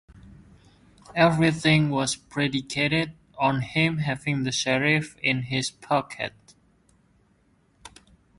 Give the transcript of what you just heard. Everything was predicated on him having the sheriff in his pocket.